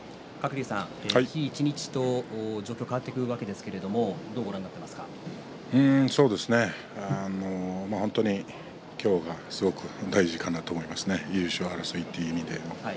日一日と状況が変わっていくわけですけれども本当に今日がすごく大事かなと思いますね優勝争いという意味で。